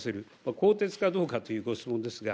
更迭かどうかというご質問ですが、